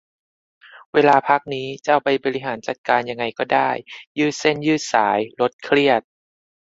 เวลาพักนี้จะเอาไปบริหารจัดการยังไงก็ได้ ยืดเส้นยืดสาย ลดเครียด